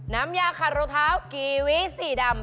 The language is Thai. น้ำยาคารองเท้ากีวีสีดำ